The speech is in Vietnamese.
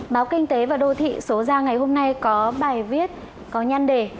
báo kinh tế và đô thị số ra ngày hôm nay có bài viết có nhăn đề